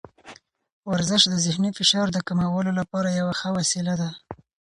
ورزش د ذهني فشار د کمولو لپاره یوه ښه وسیله ده.